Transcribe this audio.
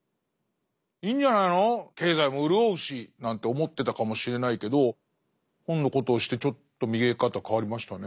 「いいんじゃないの経済も潤うし」なんて思ってたかもしれないけど本のことを知ってちょっと見え方変わりましたね。